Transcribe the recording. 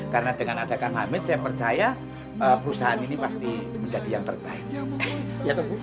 karena dengan adekan hamid saya percaya perusahaan ini pasti menjadi yang terbaik